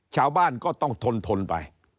ชาวบ้านก็ต้องทนทนไป